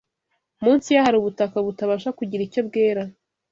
munsi ye hari ubutaka butabasha kugira icyo bwera